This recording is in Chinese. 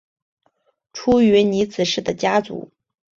出云尼子氏的家祖。